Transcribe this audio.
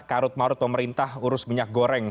karut marut pemerintah urus minyak goreng